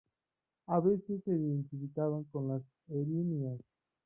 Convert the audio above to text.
A veces se identificaban con las Erinias.